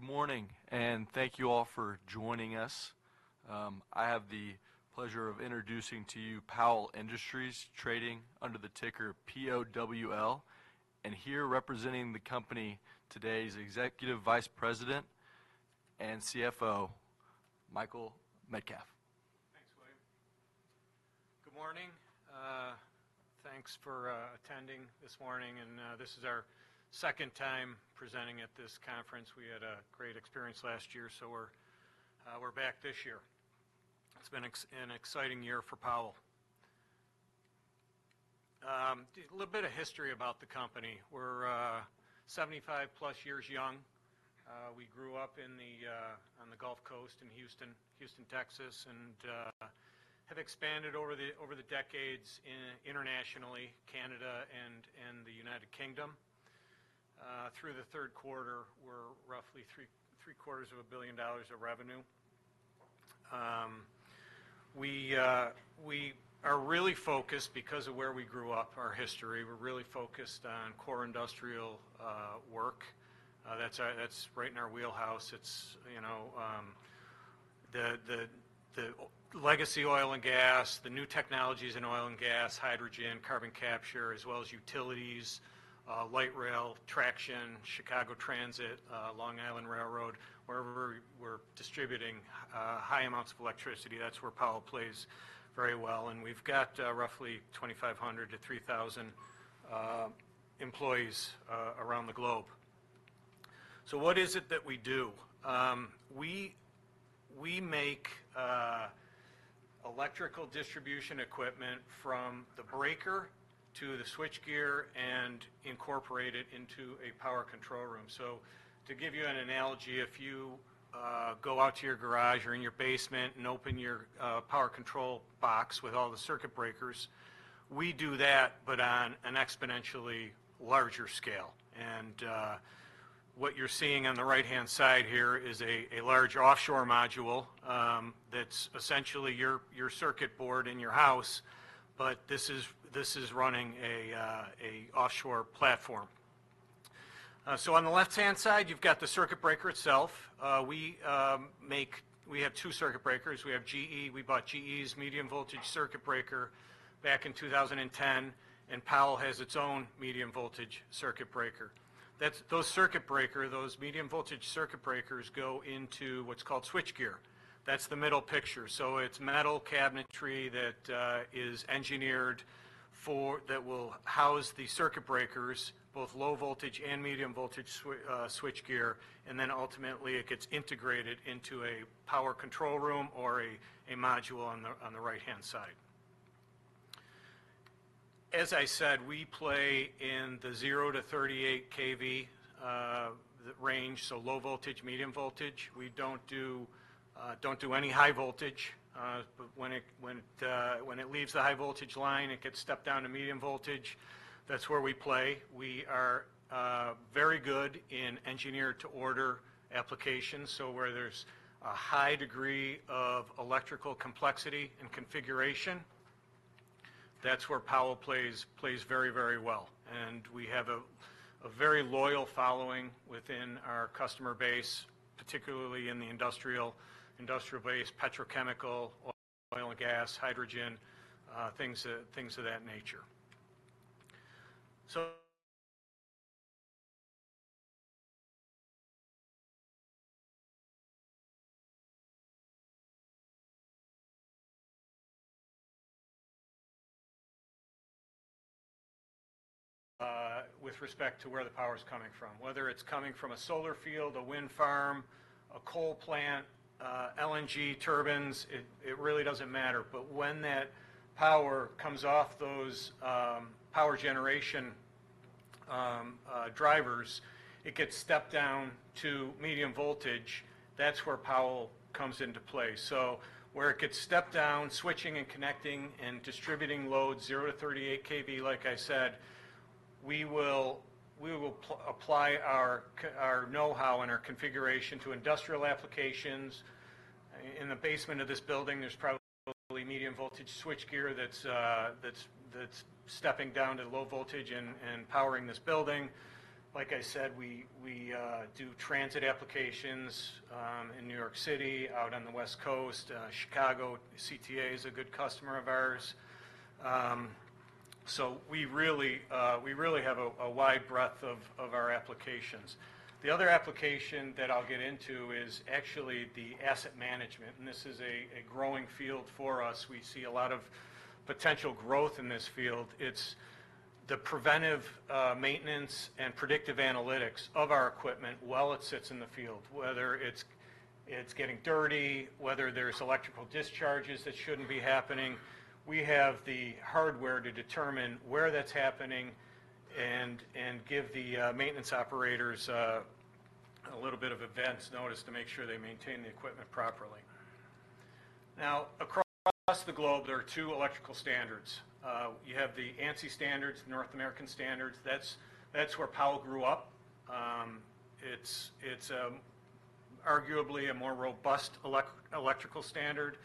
Good morning, and thank you all for joining us. I have the pleasure of introducing to you Powell Industries, trading under the ticker POWL. Here representing the company today is Executive Vice President and CFO, Michael Metcalf. Thanks, William. Good morning. Thanks for attending this morning, and this is our second time presenting at this conference. We had a great experience last year, so we're back this year. It's been an exciting year for Powell. A little bit of history about the company. We're 75+ years young. We grew up on the Gulf Coast in Houston, Texas, and have expanded over the decades internationally, Canada and the United Kingdom. Through the third quarter, we're roughly $750 million of revenue. We are really focused because of where we grew up, our history, we're really focused on core industrial work. That's right in our wheelhouse. It's, you know. The legacy oil and gas, the new technologies in oil and gas, hydrogen, carbon capture, as well as utilities, light rail, traction, Chicago Transit, Long Island Rail Road, wherever we're distributing high amounts of electricity, that's where Powell plays very well. And we've got roughly 2,500 to 3,000 employees around the globe. So what is it that we do? We make electrical distribution equipment from the breaker to the switchgear and incorporate it into a power control room. So to give you an analogy, if you go out to your garage or in your basement and open your power control box with all the circuit breakers, we do that, but on an exponentially larger scale. What you're seeing on the right-hand side here is a large offshore module that's essentially your circuit board in your house, but this is running an offshore platform. So on the left-hand side, you've got the circuit breaker itself. We have two circuit breakers. We have GE. We bought GE's medium voltage circuit breaker back in 2010, and Powell has its own medium voltage circuit breaker. That's those circuit breakers, those medium voltage circuit breakers go into what's called switchgear. That's the middle picture. So it's metal cabinetry that will house the circuit breakers, both low voltage and medium voltage switchgear, and then ultimately it gets integrated into a power control room or a module on the right-hand side. As I said, we play in the zero to 38 kV range, so low voltage, medium voltage. We don't do any high voltage. But when it leaves the high voltage line, it gets stepped down to medium voltage. That's where we play. We are very good in engineer-to-order applications. So where there's a high degree of electrical complexity and configuration, that's where Powell plays very well. We have a very loyal following within our customer base, particularly in the industrial base, petrochemical, oil and gas, hydrogen, things of that nature. With respect to where the power's coming from, whether it's coming from a solar field, a wind farm, a coal plant, LNG turbines, it really doesn't matter. But when that power comes off those power generation drivers, it gets stepped down to medium voltage. That's where Powell comes into play. So where it gets stepped down, switching and connecting and distributing load, zero to 38 kV, like I said, we will apply our know-how and our configuration to industrial applications. In the basement of this building, there's probably medium voltage switchgear that's stepping down to low voltage and powering this building. Like I said, we do transit applications in New York City, out on the West Coast, Chicago. CTA is a good customer of ours. So we really have a wide breadth of our applications. The other application that I'll get into is actually the asset management, and this is a growing field for us. We see a lot of potential growth in this field. It's the preventive maintenance and predictive analytics of our equipment while it sits in the field, whether it's getting dirty, whether there's electrical discharges that shouldn't be happening. We have the hardware to determine where that's happening and give the maintenance operators a little bit of advance notice to make sure they maintain the equipment properly. Now, across the globe, there are two electrical standards. You have the ANSI standards, North American standards. That's where Powell grew up. It's arguably a more robust electrical standard.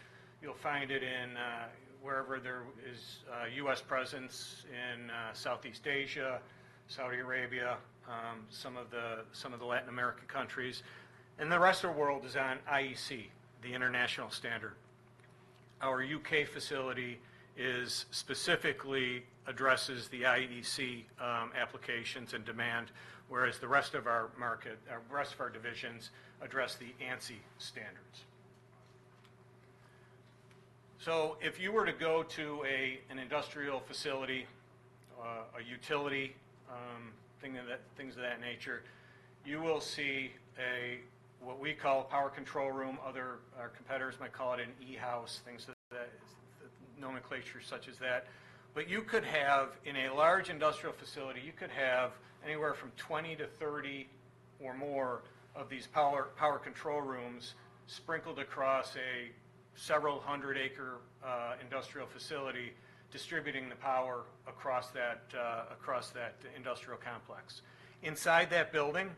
You'll find it in wherever there is a U.S. presence in Southeast Asia, Saudi Arabia, some of the Latin American countries, and the rest of the world is on IEC, the international standard. Our U.K. facility is specifically addresses the IEC applications and demand, whereas the rest of our market, or rest of our divisions address the ANSI standards. So if you were to go to a an industrial facility, a utility, things of that nature, you will see a what we call a power control room. Other, our competitors might call it an e-house, things of that, nomenclature such as that. But you could have, in a large industrial facility, you could have anywhere from 20 to 30 or more of these power control rooms sprinkled across a several hundred acre industrial facility, distributing the power across that industrial complex. Inside that building,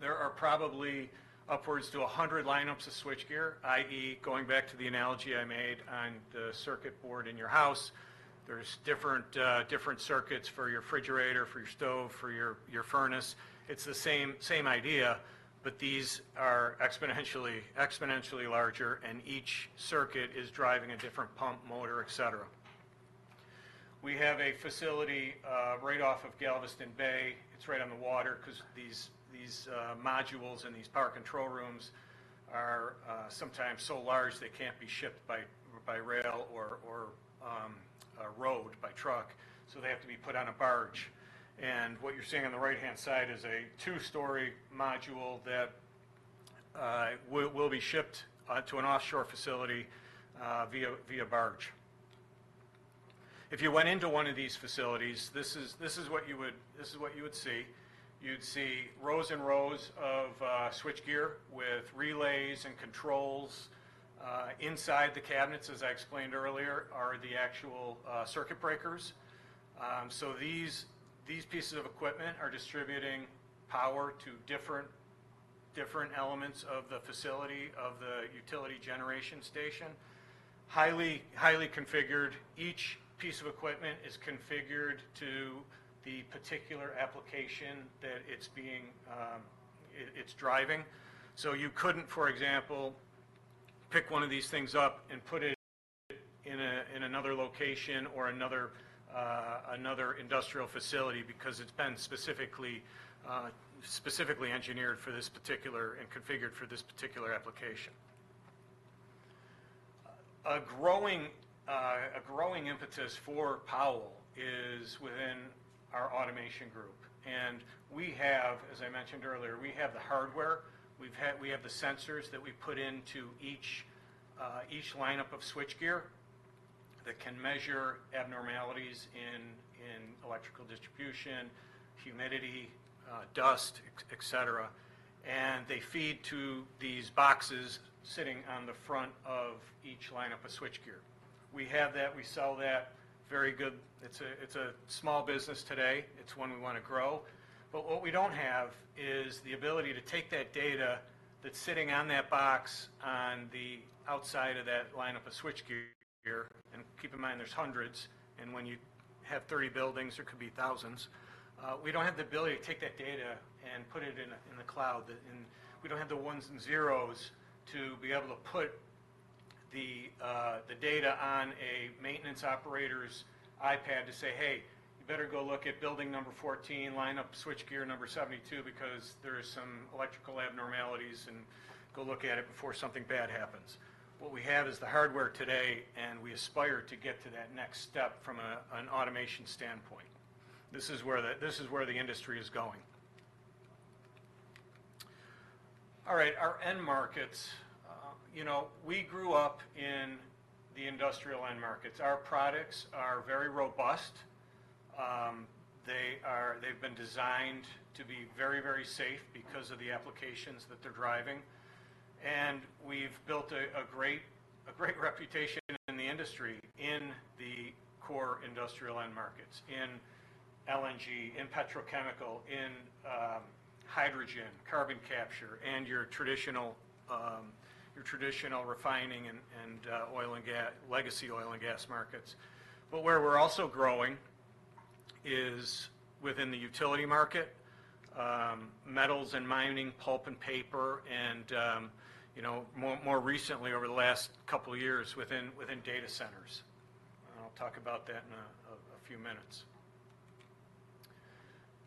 there are probably upwards to 100 lineups of switchgear, i.e., going back to the analogy I made on the circuit board in your house, there's different circuits for your refrigerator, for your stove, for your furnace. It's the same idea, but these are exponentially larger, and each circuit is driving a different pump, motor, et cetera. We have a facility right off of Galveston Bay. It's right on the water 'cause these modules and these power control rooms are sometimes so large they can't be shipped by rail or road by truck, so they have to be put on a barge. And what you're seeing on the right-hand side is a two-story module that will be shipped to an offshore facility via barge. If you went into one of these facilities, this is what you would see. You'd see rows and rows of switchgear with relays and controls. Inside the cabinets, as I explained earlier, are the actual circuit breakers. So these pieces of equipment are distributing power to different elements of the facility of the utility generation station. Highly, highly configured, each piece of equipment is configured to the particular application that it's being, it's driving. So you couldn't, for example, pick one of these things up and put it in a, in another location or another industrial facility because it's been specifically engineered for this particular and configured for this particular application. A growing impetus for Powell is within our automation group, and we have, as I mentioned earlier, we have the hardware, we have the sensors that we put into each lineup of switchgear that can measure abnormalities in electrical distribution, humidity, dust, et cetera, and they feed to these boxes sitting on the front of each lineup of switchgear. We have that, we sell that, very good. It's a small business today. It's one we wanna grow. But what we don't have is the ability to take that data that's sitting on that box on the outside of that lineup of switchgear. And keep in mind, there's hundreds, and when you have thirty buildings, there could be thousands. We don't have the ability to take that data and put it in the cloud, and we don't have the ones and zeros to be able to put the data on a maintenance operator's iPad to say, "Hey, you better go look at building number fourteen, lineup switchgear number seventy-two, because there are some electrical abnormalities, and go look at it before something bad happens." What we have is the hardware today, and we aspire to get to that next step from an automation standpoint. This is where the industry is going. All right, our end markets. You know, we grew up in the industrial end markets. Our products are very robust. They've been designed to be very, very safe because of the applications that they're driving, and we've built a great reputation in the industry, in the core industrial end markets, in LNG, in petrochemical, in hydrogen, carbon capture, and your traditional refining and legacy oil and gas markets, but where we're also growing is within the utility market, metals and mining, pulp and paper, and you know, more recently, over the last couple of years, within data centers, and I'll talk about that in a few minutes.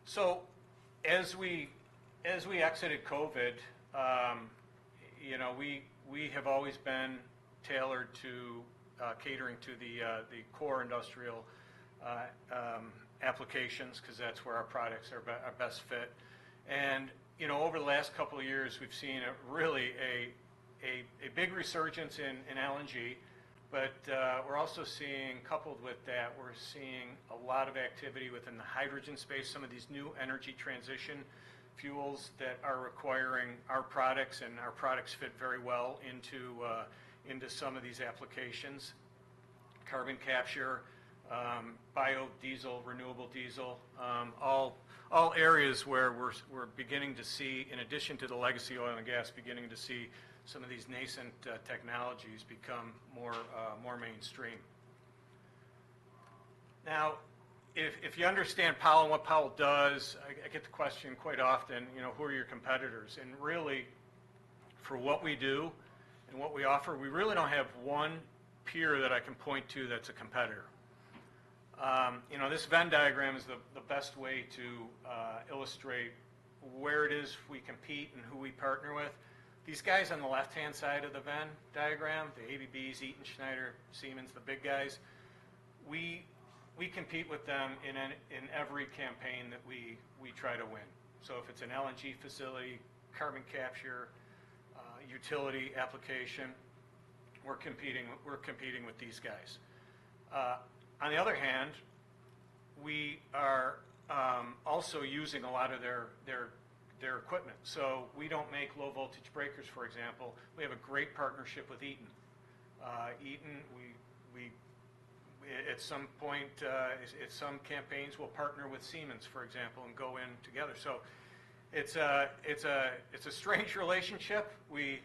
So as we exited COVID, you know, we have always been tailored to catering to the core industrial applications 'cause that's where our products are best fit. And, you know, over the last couple of years, we've seen a really big resurgence in LNG, but we're also seeing. Coupled with that, we're seeing a lot of activity within the hydrogen space, some of these new energy transition fuels that are requiring our products, and our products fit very well into some of these applications. carbon capture, biodiesel, renewable diesel, all areas where we're beginning to see, in addition to the legacy oil and gas, beginning to see some of these nascent technologies become more mainstream. Now, if you understand Powell and what Powell does, I get the question quite often, you know, "Who are your competitors?" And really, for what we do and what we offer, we really don't have one peer that I can point to that's a competitor. You know, this Venn diagram is the best way to illustrate where it is we compete and who we partner with. These guys on the left-hand side of the Venn diagram, the ABBs, Eaton, Schneider, Siemens, the big guys, we compete with them in every campaign that we try to win. So if it's an LNG facility, carbon capture, utility application, we're competing with these guys. On the other hand, we are also using a lot of their equipment. So we don't make low-voltage breakers, for example. We have a great partnership with Eaton. Eaton, we at some campaigns, we'll partner with Siemens, for example, and go in together. So it's a strange relationship. We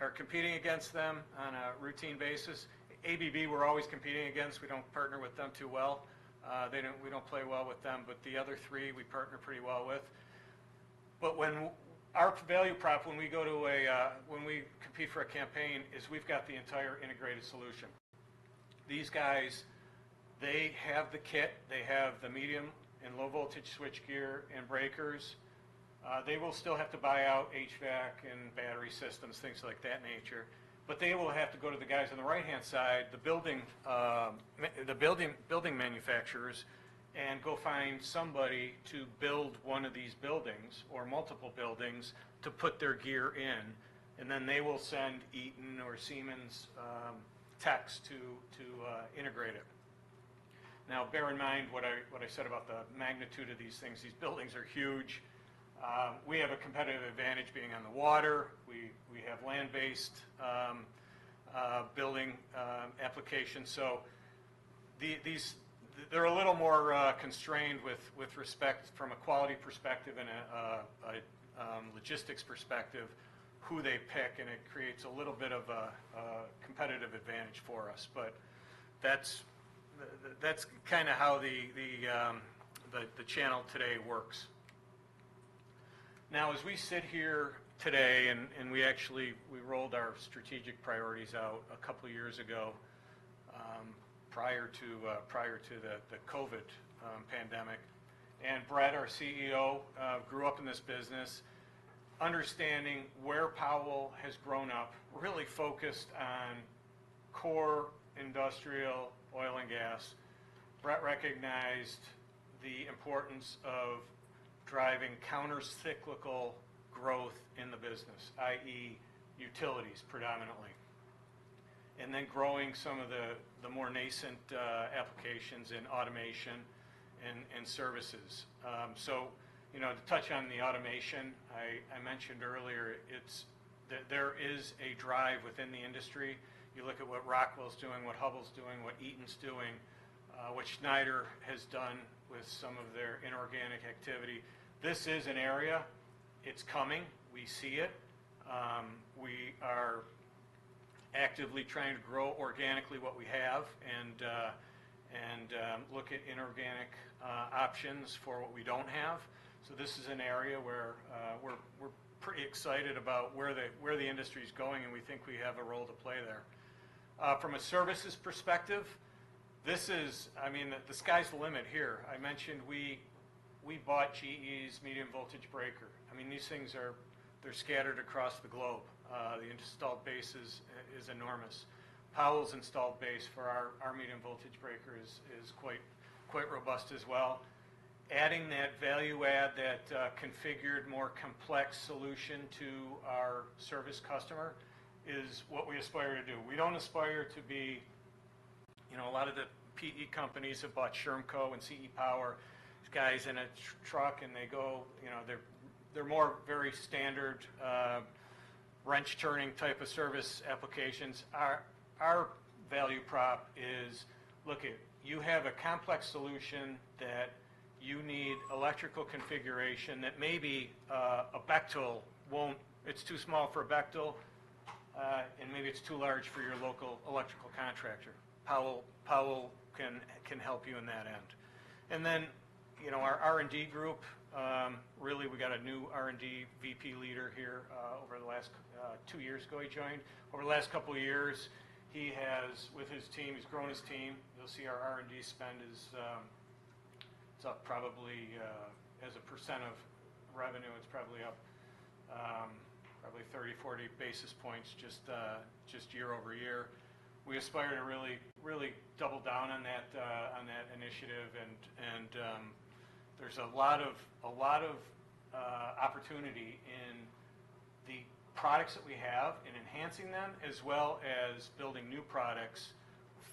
are competing against them on a routine basis. ABB, we're always competing against. We don't partner with them too well. We don't play well with them, but the other three, we partner pretty well with. But when we compete for a campaign, our value prop is we've got the entire integrated solution. These guys, they have the kit, they have the medium- and low-voltage switchgear and breakers. They will still have to buy out HVAC and battery systems, things like that nature, but they will have to go to the guys on the right-hand side, the building manufacturers, and go find somebody to build one of these buildings or multiple buildings to put their gear in, and then they will send Eaton or Siemens techs to integrate it. Now, bear in mind what I said about the magnitude of these things. These buildings are huge. We have a competitive advantage being on the water. We have land-based building applications. So these, they're a little more constrained with respect from a quality perspective and a logistics perspective, who they pick, and it creates a little bit of a competitive advantage for us. But that's kinda how the channel today works. Now, as we sit here today, and we actually rolled our strategic priorities out a couple of years ago, prior to the COVID pandemic, and Brett, our CEO, grew up in this business, understanding where Powell has grown up, really focused on core industrial oil and gas. Brett recognized the importance of driving countercyclical growth in the business, i.e., utilities, predominantly, and then growing some of the more nascent applications in automation and services. So, you know, to touch on the automation, I mentioned earlier, it's that there is a drive within the industry. You look at what Rockwell's doing, what Hubbell's doing, what Eaton's doing, what Schneider has done with some of their inorganic activity. This is an area, it's coming. We see it. We are actively trying to grow organically what we have and look at inorganic options for what we don't have, so this is an area where we're pretty excited about where the industry is going, and we think we have a role to play there. From a services perspective, this is. I mean, the sky's the limit here. I mentioned we bought GE's medium-voltage breaker. I mean, these things are, they're scattered across the globe. The installed base is enormous. Powell's installed base for our medium-voltage breaker is quite robust as well. Adding that value add, that configured more complex solution to our service customer, is what we aspire to do. We don't aspire to be... You know, a lot of the PE companies have bought Shermco and CE Power, guys in a truck, and they go, you know, they're more very standard wrench-turning type of service applications. Our value prop is, look, you have a complex solution that you need electrical configuration that maybe a Bechtel won't. It's too small for Bechtel, and maybe it's too large for your local electrical contractor. Powell, Powell can help you in that end. And then, you know, our R&D group really, we got a new R&D VP leader here over the last two years ago, he joined. Over the last couple of years, he has, with his team, he's grown his team. You'll see our R&D spend is, it's up probably as a percent of revenue, it's probably up probably 30,40 basis points, just year-over-year. We aspire to really, really double down on that, on that initiative, and, and, there's a lot of, a lot of, opportunity in the products that we have, in enhancing them, as well as building new products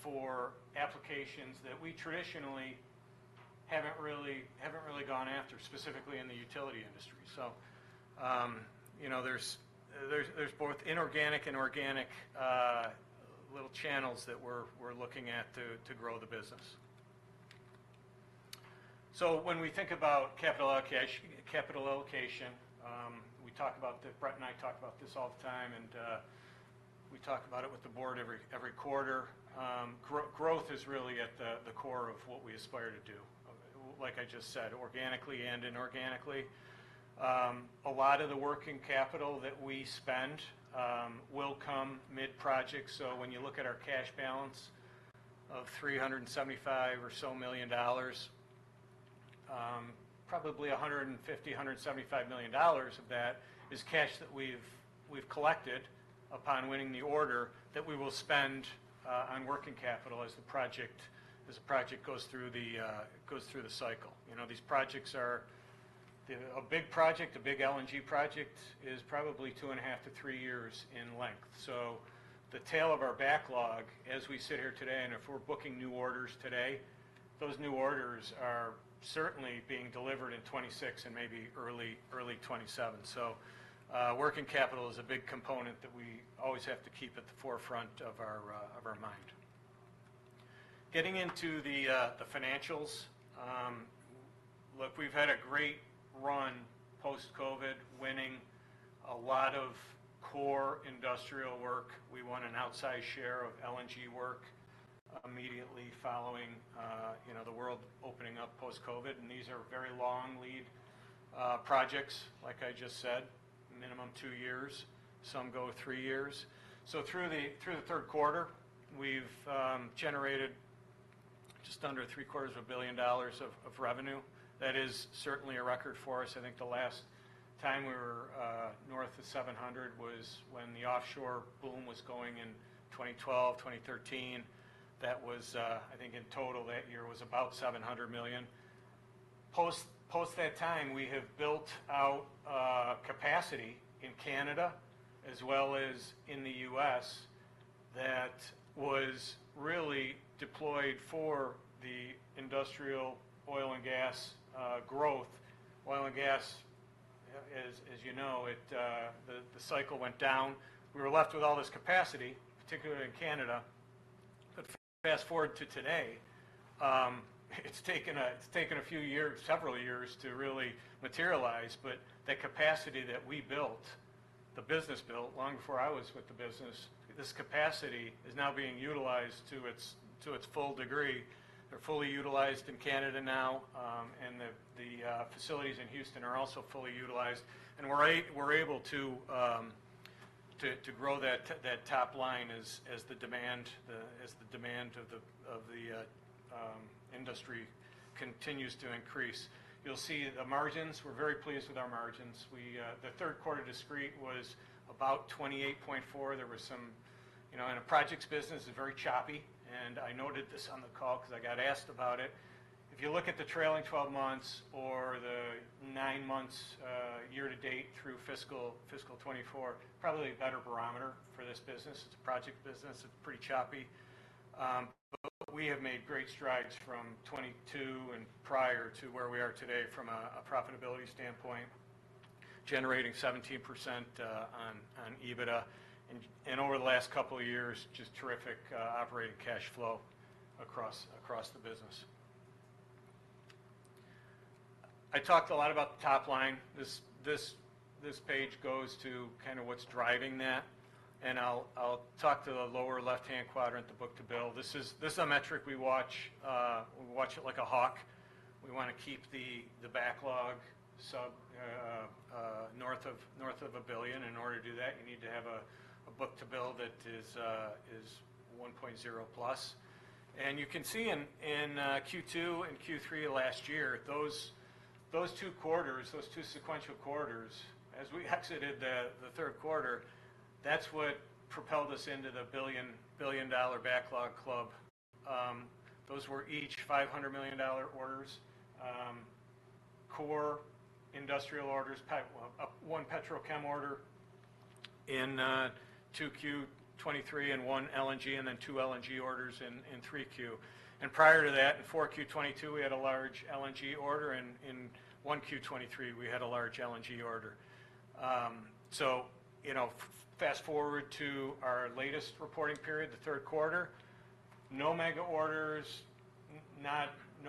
for applications that we traditionally haven't really, haven't really gone after, specifically in the utility industry. You know, there's both inorganic and organic, little channels that we're, we're looking at to, to grow the business. When we think about capital allocation, we talk about Brett and I talk about this all the time, and, we talk about it with the board every, every quarter. Growth is really at the core of what we aspire to do. Like I just said, organically and inorganically. A lot of the working capital that we spend will come mid-project. So when you look at our cash balance of $375 million or so, probably $150 million-$175 million of that is cash that we've collected upon winning the order, that we will spend on working capital as the project goes through the cycle. You know, these projects are a big project, a big LNG project, is probably 2.5-3 years in length. So the tail of our backlog, as we sit here today, and if we're booking new orders today, those new orders are certainly being delivered in 2026 and maybe early 2027. So, working capital is a big component that we always have to keep at the forefront of our mind. Getting into the financials. Look, we've had a great run post-COVID, winning a lot of core industrial work. We won an outsized share of LNG work immediately following, you know, the world opening up post-COVID, and these are very long lead projects. Like I just said, minimum two years, some go three years. So through the third quarter, we've generated just under $750 million of revenue. That is certainly a record for us. I think the last time we were north of 700 was when the offshore boom was going in 2012, 2013. That was, I think in total, that year was about $700 million. Post that time, we have built out capacity in Canada as well as in the U.S., that was really deployed for the industrial oil and gas growth. Oil and gas, as you know, it, the cycle went down. We were left with all this capacity, particularly in Canada. But fast-forward to today, it's taken a few years, several years to really materialize. But the capacity that we built, the business built, long before I was with the business, this capacity is now being utilized to its full degree. They're fully utilized in Canada now, and the facilities in Houston are also fully utilized. And we're able to grow that top line as the demand of the industry continues to increase. You'll see the margins. We're very pleased with our margins. The third quarter discrete was about 28.4. There was some, you know, and a projects business is very choppy, and I noted this on the call 'cause I got asked about it. If you look at the trailing 12 months or the nine months, year to date through fiscal 2024, probably a better barometer for this business. It's a project business. It's pretty choppy. But we have made great strides from 2022 and prior to where we are today from a profitability standpoint, generating 17% on EBITDA. And over the last couple of years, just terrific operating cash flow across the business. I talked a lot about the top line. This page goes to kind of what's driving that, and I'll talk to the lower left-hand quadrant, the book-to-bill. This is a metric we watch. We watch it like a hawk. We wanna keep the backlog north of $1 billion. In order to do that, you need to have a book-to-bill that is 1.0+. You can see in Q2 and Q3 last year, those two sequential quarters, as we exited the third quarter, that's what propelled us into the billion-dollar backlog club. Those were each $500 million orders, core industrial orders, one petrochem order in 2Q 2023 and one LNG, and then two LNG orders in 3Q. Prior to that, in 4Q 2022, we had a large LNG order, and in 1Q 2023, we had a large LNG order. So you know, fast forward to our latest reporting period, the third quarter, no mega orders, no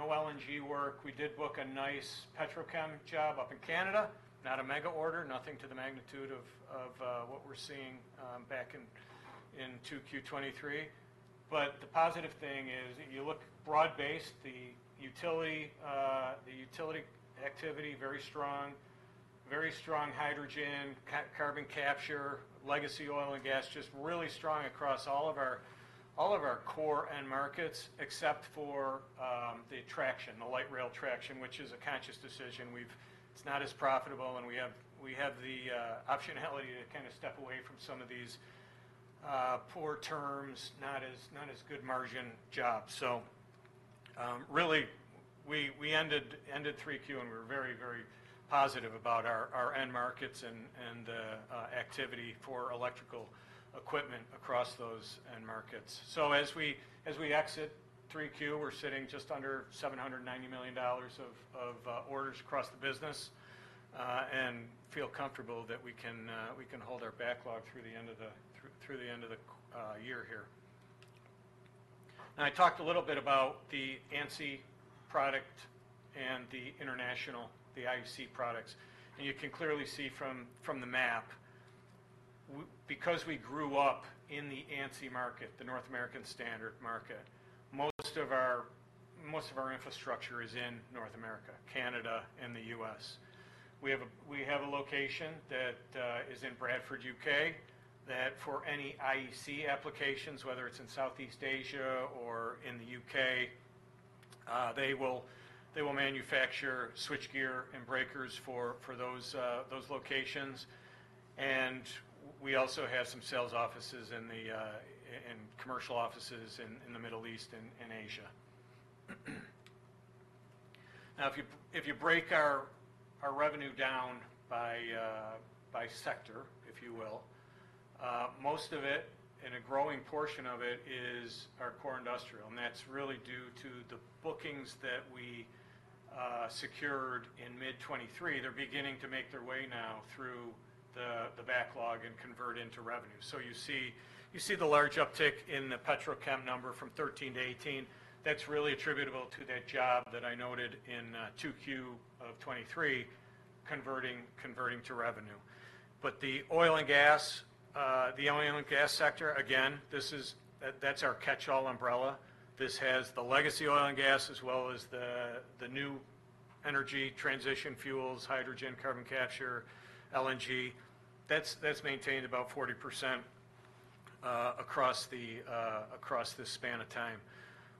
LNG work. We did book a nice petrochem job up in Canada. Not a mega order, nothing to the magnitude of what we're seeing back in 2Q 2023. But the positive thing is, if you look broad-based, the utility, the utility activity, very strong, very strong hydrogen, carbon capture, legacy oil and gas, just really strong across all of our, all of our core end markets, except for, the traction, the light rail traction, which is a conscious decision. It's not as profitable, and we have, we have the, optionality to kind of step away from some of these, poor terms, not as, not as good margin jobs. So, really, we, we ended 3Q, and we're very, very positive about our, our end markets and, and, activity for electrical equipment across those end markets. So as we, as we exit 3Q, we're sitting just under $790 million of, of, orders across the business. And feel comfortable that we can hold our backlog through the end of the year here. Now, I talked a little bit about the ANSI product and the international IEC products. And you can clearly see from the map, because we grew up in the ANSI market, the North American Standard Market, most of our infrastructure is in North America, Canada, and the U.S. We have a location that is in Bradford, U.K., that for any IEC applications, whether it's in Southeast Asia or in the U.K., they will manufacture switchgear and breakers for those locations. And we also have some sales offices and commercial offices in the Middle East and Asia. Now, if you break our revenue down by sector, if you will, most of it, and a growing portion of it, is our core industrial, and that's really due to the bookings that we secured in mid 2023. They're beginning to make their way now through the backlog and convert into revenue. So you see the large uptick in the petrochem number from 13 to 18. That's really attributable to that job that I noted in 2Q of 2023, converting to revenue. But the oil and gas sector, again, this is, that's our catchall umbrella. This has the legacy oil and gas, as well as the new energy transition fuels, hydrogen, carbon capture, LNG. That's maintained about 40% across this span of time.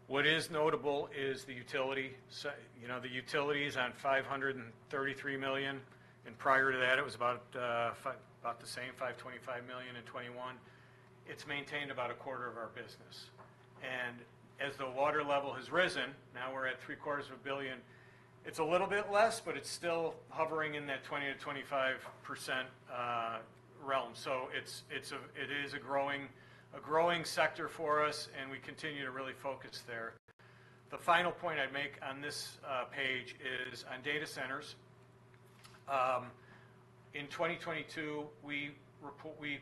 What is notable is the utility sector, you know, the utility is on $533 million, and prior to that, it was about the same, $525 million in 2021. It's maintained about a quarter of our business, and as the water level has risen, now we're at $750 million. It's a little bit less, but it's still hovering in that 20%-25% realm. So it's a growing sector for us, and we continue to really focus there. The final point I'd make on this page is on data centers. In 2022, we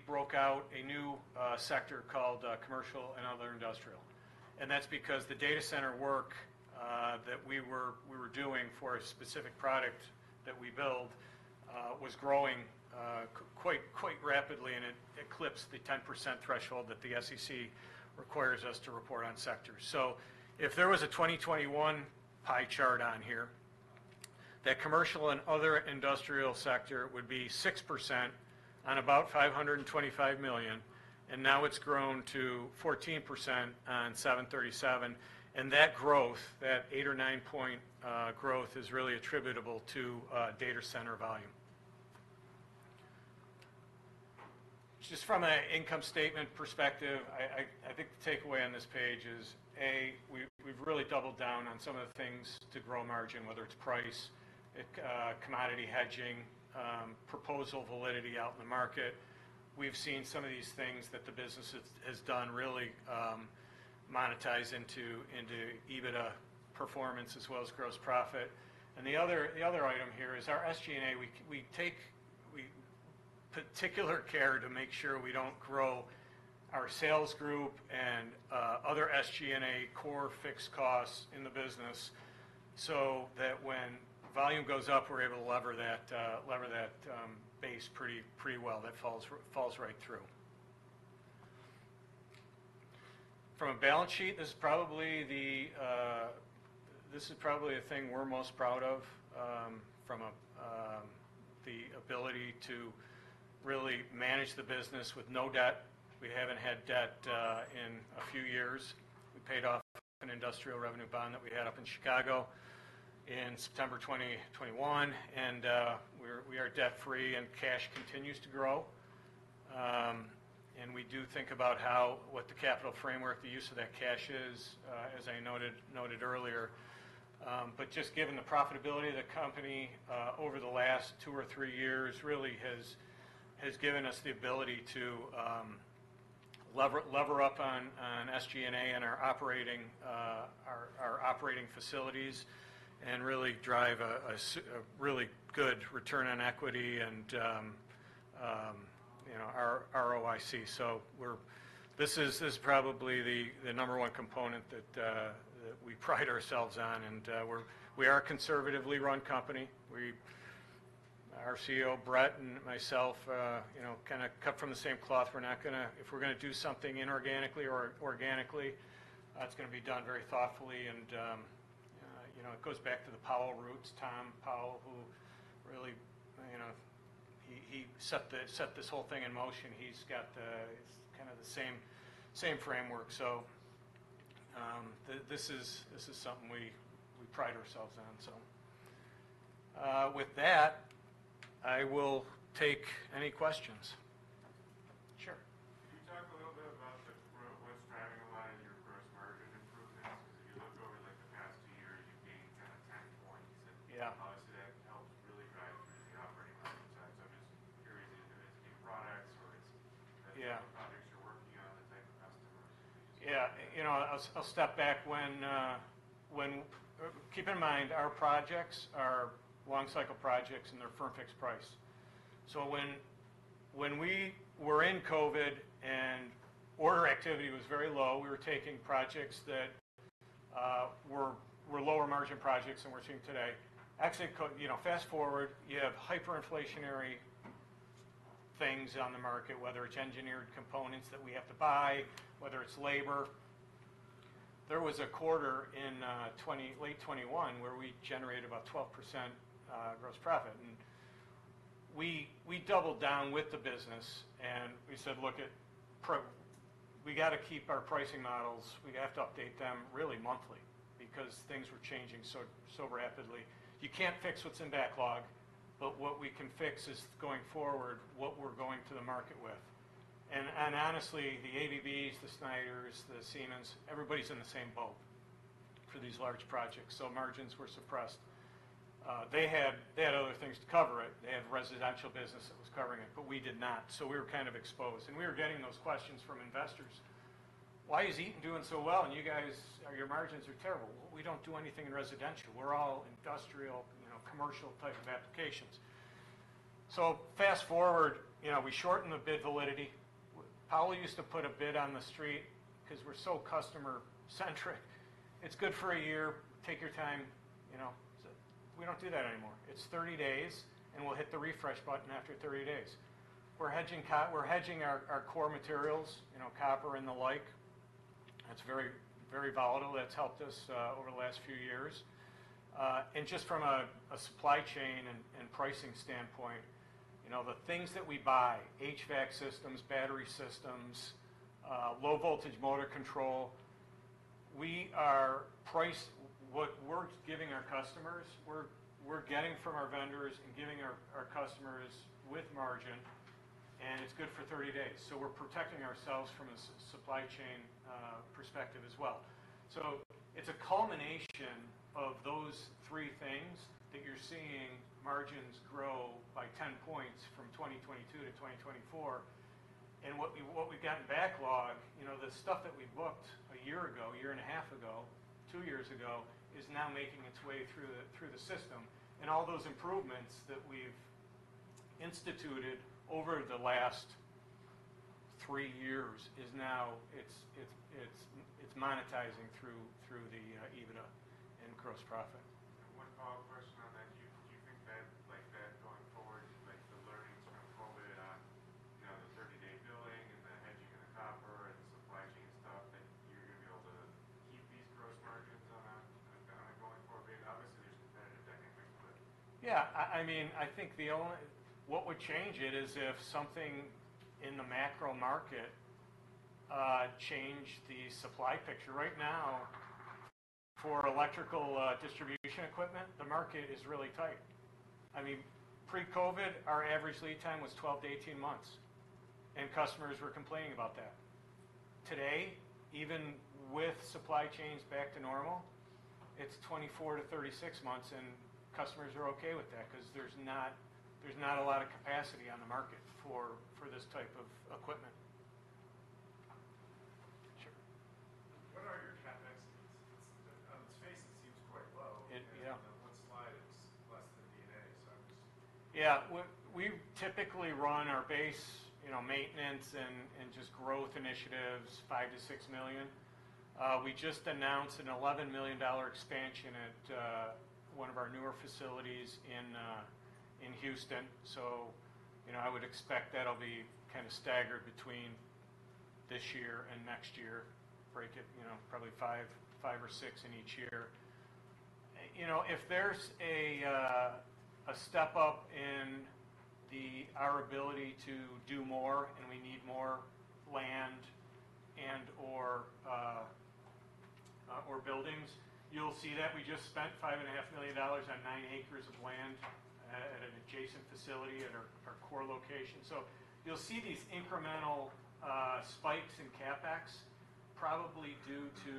broke out a new sector called Commercial and Other Industrial, and that's because the data center work that we were doing for a specific product that we build was growing quite rapidly, and it eclipsed the 10% threshold that the SEC requires us to report on sectors, so if there was a 2021 pie chart on here, that commercial and other industrial sector would be 6% on about $525 million, and now it's grown to 14% on $737 million, and that growth, that eight or nine point growth, is really attributable to data center volume. Just from an income statement perspective, I think the takeaway on this page is, we've really doubled down on some of the things to grow margin, whether it's price, commodity hedging, proposal validity out in the market. We've seen some of these things that the business has done really monetize into EBITDA performance, as well as gross profit. And the other item here is our SG&A. We take particular care to make sure we don't grow our sales group and other SG&A core fixed costs in the business, so that when volume goes up, we're able to lever that base pretty well. That falls right through. From a balance sheet, this is probably the thing we're most proud of, from a, the ability to really manage the business with no debt. We haven't had debt in a few years. We paid off an industrial revenue bond that we had up in Chicago in September 2021, and we're debt-free, and cash continues to grow, and we do think about how what the capital framework, the use of that cash is, as I noted earlier, but just given the profitability of the company over the last two or three years, really has given us the ability to lever up on SG&A and our operating facilities and really drive a really good return on equity and, you know, our ROIC. This is probably the number one component that we pride ourselves on, and we are a conservatively run company. Our CEO, Brett, and myself, you know, kinda cut from the same cloth. If we're gonna do something inorganically or organically, it's gonna be done very thoughtfully, and you know, it goes back to the Powell roots. Tom Powell, who really, you know, he set this whole thing in motion. He's got kind of the same framework. This is something we pride ourselves on. With that, I will take any questions. Sure. Can you talk a little bit about what's driving a lot of your gross margin improvements? 'Cause if you look over, like, the past two years, you've gained kinda 10 points obviously, that helped really drive your operating projects you're working on, the type of customers? Yeah, you know, I'll step back. Keep in mind, our projects are long cycle projects, and they're firm fixed price. So when we were in COVID and order activity was very low, we were taking projects that were lower margin projects than we're seeing today. Actually, you know, fast-forward, you have hyperinflationary things on the market, whether it's engineered components that we have to buy, whether it's labor. There was a quarter in late 2021, where we generated about 12% gross profit, and we doubled down with the business, and we said, "Look, we got to keep our pricing models. We have to update them really monthly," because things were changing so rapidly. You can't fix what's in backlog, but what we can fix is, going forward, what we're going to the market with. Honestly, the ABBs, the Schneiders, the Siemens, everybody's in the same boat for these large projects, so margins were suppressed. They had, they had other things to cover it. They had residential business that was covering it, but we did not. We were kind of exposed, and we were getting those questions from investors. "Why is Eaton doing so well, and you guys, your margins are terrible?" We don't do anything in residential. We're all industrial, you know, commercial type of applications. Fast-forward, you know, we shorten the bid validity. Powell used to put a bid on the street because we're so customer-centric. It's good for a year. Take your time, you know? We don't do that anymore. It's 30 days, and we'll hit the refresh button after thirty days. We're hedging our core materials, you know, copper and the like. It's very, very volatile. That's helped us over the last few years. And just from a supply chain and pricing standpoint, you know, the things that we buy, HVAC systems, battery systems, low-voltage motor control. What we're giving our customers, we're getting from our vendors and giving our customers with margin, and it's good for 30 days. So we're protecting ourselves from a supply chain perspective as well. So it's a culmination of those three things that you're seeing margins grow by 10 points from 2022 to 2024. And what we, what we've got in backlog, you know, the stuff that we booked a year ago, a year and a half ago, two years ago, is now making its way through the, through the system. And all those improvements that we've instituted over the last three years is now, it's monetizing through, through the EBITDA and gross profit. One follow-up question on that. Do you think that, like, that going forward, like, the learnings from COVID on, you know, the thirty-day billing and the hedging and the copper and supply chain stuff, that you're going to be able to keep these gross margins on a going forward basis? Obviously, there's competitive dynamics, but... Yeah, I mean, I think what would change it is if something in the macro market changed the supply picture. Right now, for electrical distribution equipment, the market is really tight. I mean, pre-COVID, our average lead time was 12-18 months, and customers were complaining about that. Today, even with supply chains back to normal, it's 24-36 months, and customers are okay with that because there's not a lot of capacity on the market for this type of equipment. Sure. What are your CapExes? On its face, it seems quite low. It, yeah. On one slide, it's less than D&A, so I'm just- Yeah. We typically run our base, you know, maintenance and just growth initiatives, $5-$6 million. We just announced an $11 million expansion at one of our newer facilities in Houston. So, you know, I would expect that'll be kind of staggered between this year and next year. Break it, you know, probably $5 or $6 million in each year. You know, if there's a step up in our ability to do more, and we need more land and/or buildings, you'll see that. We just spent $5.5 million on nine acres of land at an adjacent facility at our core location. So you'll see these incremental spikes in CapEx, probably due to...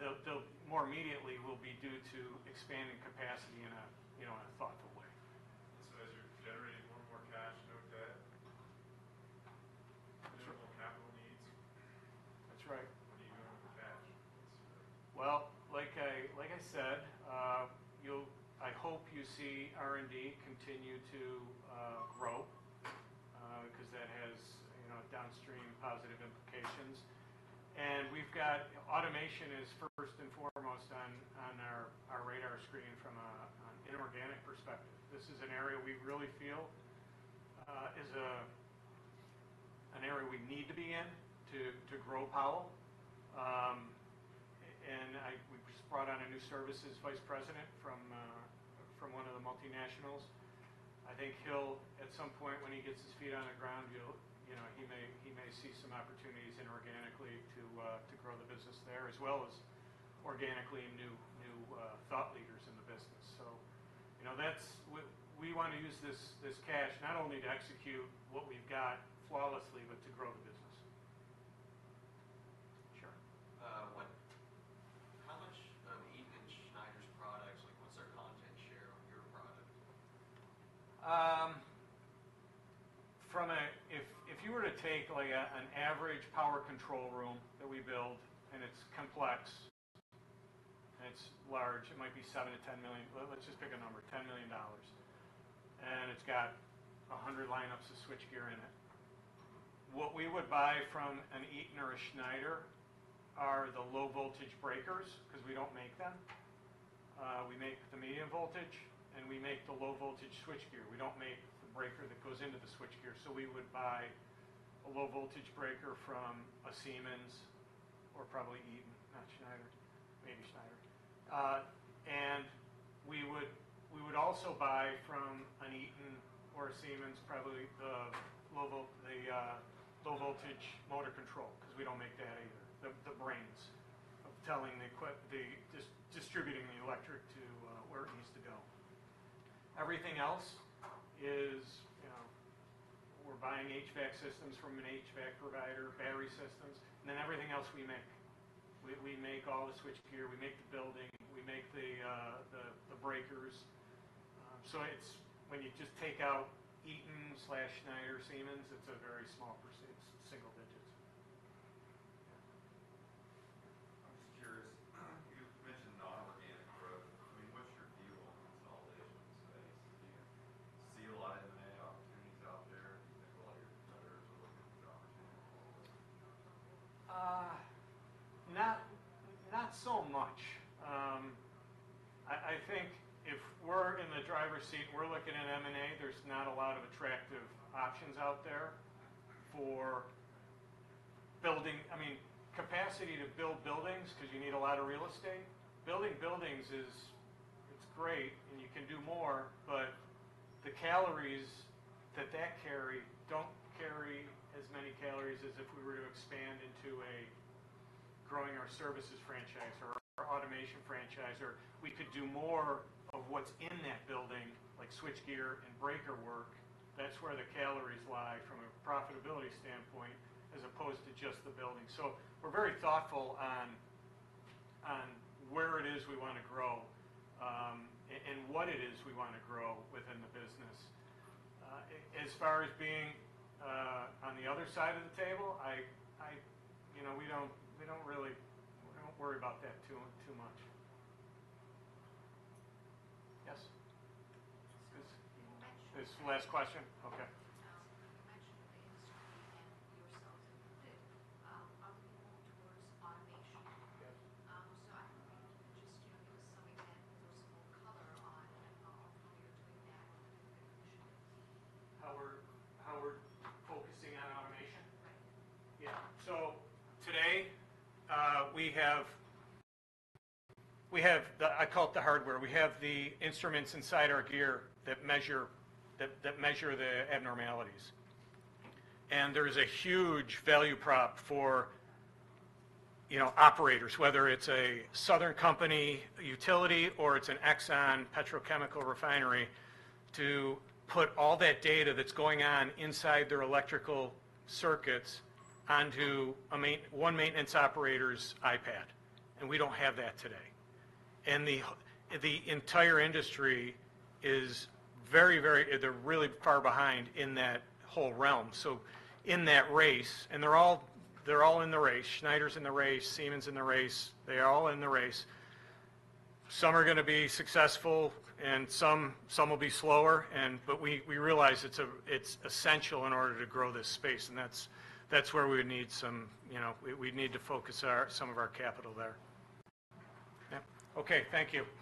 They'll more immediately will be due to expanding capacity, you know, in a thoughtful way. So as you're generating more and more cash, no debt- Sure. Capital needs. That's right. What do you do with the cash? Well, like I, like I said, you'll, I hope you see R&D continue to grow, because that has, you know, downstream positive implications. And we've got automation is first and foremost on our radar screen from an inorganic perspective. This is an area we really feel is an area we need to be in to grow Powell. And we just brought on a new services vice president from one of the multinationals. I think he'll, at some point, when he gets his feet on the ground, he'll, you know, he may see some opportunities inorganically to grow the business there, as well as organically, new thought leaders in the business. So, you know, that's... We want to use this cash not only to execute what we've got flawlessly, but if you were to take, like, an average power control room that we build, and it's complex, and it's large, it might be $7-$10 million. Let's just pick a number, $10 million, and it's got 100 lineups of switchgear in it. What we would buy from an Eaton or a Schneider are the low-voltage breakers, 'cause we don't make them. We make the medium voltage, and we make the low-voltage switchgear. We don't make the breaker that goes into the switchgear. So we would buy a low-voltage breaker from a Siemens or probably Eaton, not Schneider, maybe Schneider. and we would also buy from an Eaton or a Siemens, probably the low-voltage motor control, 'cause we don't make that either. The brains of distributing the electric to where it needs to go. Everything else is, you know. We're buying HVAC systems from an HVAC provider, battery systems, and then everything else we make. We make all the switchgear, we make the building, we make the breakers. So it's, when you just take out Eaton/Schneider, Siemens, it's a very small %, single digits. I'm just curious, you mentioned non-organic growth. I mean, what's your view on consolidation space? Do you see a lot of M&A opportunities out there? Do you think a lot of your competitors are looking for opportunities? Not so much. I think if we're in the driver's seat, and we're looking at M&A, there's not a lot of attractive options out there for building capacity to build buildings, 'cause you need a lot of real estate. Building buildings is great, and you can do more, but the calories that that carry don't carry as many calories as if we were to expand into growing our services franchise or our automation franchise, or we could do more of what's in that building, like switchgear and breaker work. That's where the calories lie from a profitability standpoint, as opposed to just the building. We're very thoughtful on where it is we wanna grow, and what it is we wanna grow within the business. As far as being on the other side of the table, I, you know, we don't really worry about that too much. Yes? So you mentioned- This is the last question? Okay. You mentioned the industry and yourselves, included, are moving towards automation. Yes. So I was wondering if you could just, you know, give us some example, or some more color on how you're doing that, and what you think it should be? How we're focusing on automation? Right. Yeah. So today, we have the - I call it the hardware. We have the instruments inside our gear that measure the abnormalities. And there is a huge value prop for, you know, operators, whether it's a Southern Company, a utility, or it's an Exxon petrochemical refinery, to put all that data that's going on inside their electrical circuits onto a main - one maintenance operator's iPad, and we don't have that today. And the entire industry is very... They're really far behind in that whole realm. So in that race, and they're all in the race. Schneider's in the race, Siemens' in the race, they are all in the race. Some are gonna be successful, and some will be slower, but we realize it's essential in order to grow this space, and that's where we would need some, you know, we'd need to focus some of our capital there. Yeah. Okay, thank you.